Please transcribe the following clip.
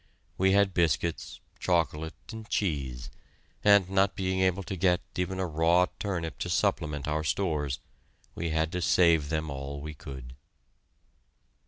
We had biscuits, chocolate, and cheese, but not being able to get even a raw turnip to supplement our stores, we had to save them all we could.